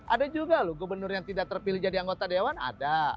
ada juga loh gubernur yang tidak terpilih jadi anggota dewan ada